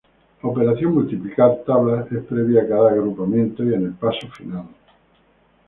La operación multiplicar tablas es previa a cada agrupamiento y en el paso final.